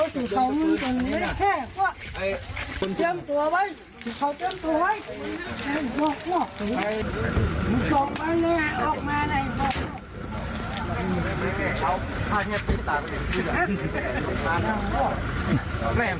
สองบาทเดี๋ยวอีกอย่าง